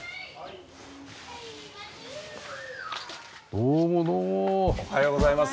おはようございます。